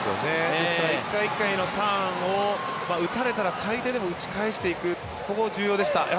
ですから１回１回のターンを打たれたら最低でも打ち返していく、ここ重要でした。